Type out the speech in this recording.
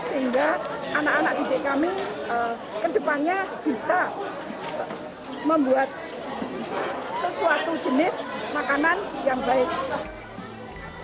sehingga anak anak didik kami ke depannya bisa membuat sesuatu jenis makanan yang baik